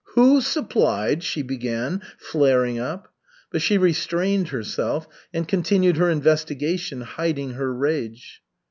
"Who supplied ?" she began, flaring up. But she restrained herself, and continued her investigation, hiding her rage.